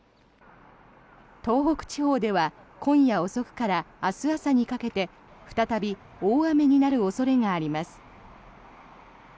東北地方では今夜遅くから明日朝にかけて再び大雨になる恐れがあります。